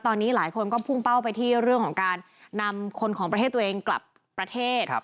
ตอนนี้หลายคนก็พุ่งเป้าไปที่เรื่องของการนำคนของประเทศตัวเองกลับประเทศ